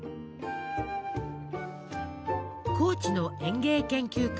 高知の園芸研究家